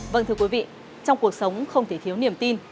vâng thưa quý vị trong cuộc sống không thể thiếu niềm tin